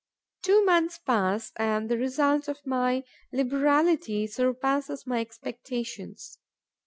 Two months pass; and the result of my liberality surpasses my expectations.